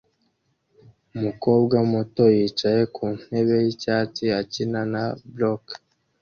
Umukobwa muto yicaye ku ntebe yicyatsi akina na blok